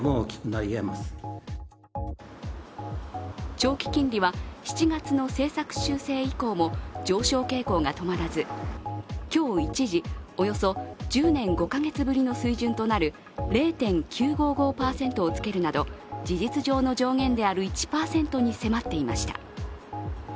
長期金利は７月の政策修正以降も上昇傾向が止まらず今日、一時、およそ１０年５か月ぶりの水準となる、０．９５５％をつけるなど事実上の上限である１％に迫っていました。